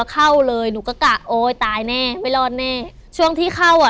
เข้าเลยหนูก็กะโอ๊ยตายแน่ไม่รอดแน่ช่วงที่เข้าอ่ะ